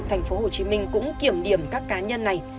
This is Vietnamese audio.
tp hcm cũng kiểm điểm các cá nhân này